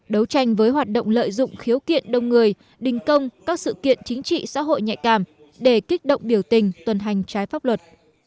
đấu tranh với hoạt động lợi dụng khiếu kiện đông người đình công các sự kiện chính trị xã hội nhạy cảm để kích động biểu tình tuần hành trái pháp luật